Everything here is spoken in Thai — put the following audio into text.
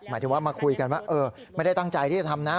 หมายถึงว่ามาคุยกันว่าไม่ได้ตั้งใจที่จะทำนะ